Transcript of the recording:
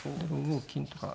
５五金とか。